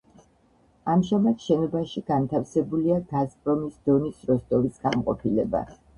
ამჟამად შენობაში განთავსებულია გაზპრომის დონის როსტოვის განყოფილება.